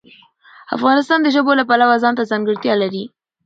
افغانستان د ژبو د پلوه ځانته ځانګړتیا لري.